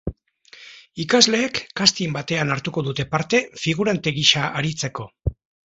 Ikasleek casting batean hartuko dute parte figurante gisa aritzeko.